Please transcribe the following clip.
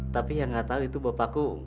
tapi yang nggak tahu itu bapakku